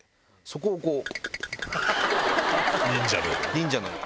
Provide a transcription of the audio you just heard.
そこをこう。